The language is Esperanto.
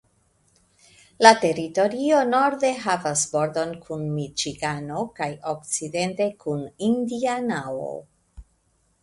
La teritorio norde havas bordon kun Miĉigano kaj okcidente kun Indianao.